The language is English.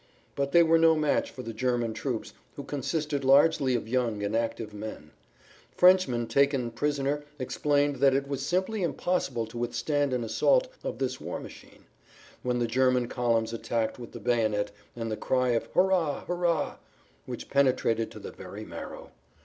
But they were no match for the German troops who consisted largely of young and active men. Frenchmen[Pg 21] taken prisoner explained that it was simply impossible to withstand an assault of this war machine, when the German columns attacked with the bayonet and the cry of "Hurrah! hurrah!" which penetrated to the very marrow.